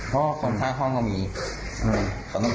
โพพไม่อยู่